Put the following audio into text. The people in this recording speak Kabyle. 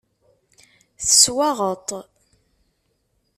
Teswaɣeḍ-t.